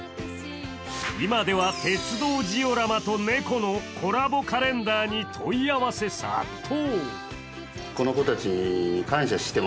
今では鉄道ジオラマと猫のコラボカレンダーに問い合わせ殺到。